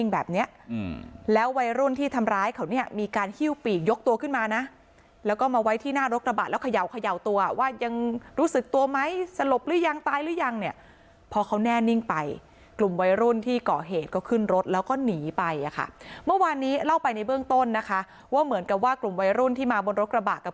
แบบเนี้ยอืมแล้ววัยรุ่นที่ทำร้ายเขาเนี่ยมีการหิ้วปีกยกตัวขึ้นมานะแล้วก็มาไว้ที่หน้ารถกระบะแล้วเขย่าเขย่าตัวว่ายังรู้สึกตัวไหมสลบหรือยังตายหรือยังเนี่ยพอเขาแน่นิ่งไปกลุ่มวัยรุ่นที่ก่อเหตุก็ขึ้นรถแล้วก็หนีไปอ่ะค่ะเมื่อวานนี้เล่าไปในเบื้องต้นนะคะว่าเหมือนกับว่ากลุ่มวัยรุ่นที่มาบนรถกระบะกับ